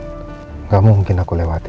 tidak mungkin aku melewati